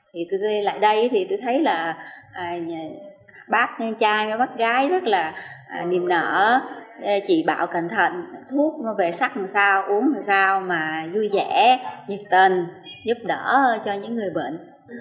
thì tôi ghi lại đây thì tôi thấy là bác trai với bác gái rất là niềm nở chỉ bạo cẩn thận thuốc nó về sắc làm sao uống làm sao mà vui vẻ nhiệt tình giúp đỡ cho những người bệnh